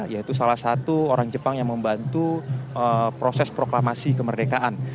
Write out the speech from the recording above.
yaitu salah satu orang jepang yang membantu proses proklamasi kemerdekaan